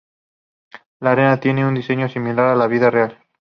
La arena tiene un diseño similar al de la vida real.